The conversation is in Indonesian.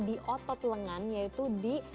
di otot lengan yaitu di